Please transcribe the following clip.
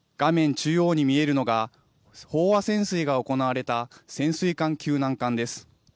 中央に見えるのが飽和潜水が行われた潜水艦救難艦です。